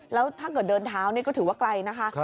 แล้วถ้าเกิดเดินเท้านี่ก็ถือว่าไกลนะคะ